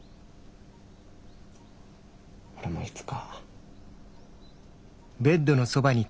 俺もいつか。